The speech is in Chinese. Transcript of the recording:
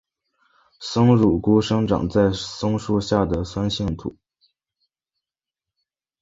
松乳菇生长在松树下的酸性土。